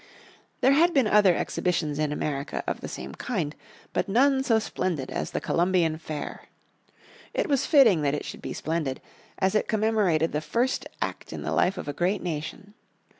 There had been other exhibitions in America of the same kind, but none so splendid as the Columbian Fair. It was fitting that it should be splendid, as it commemorated the first act in the life of a great nation.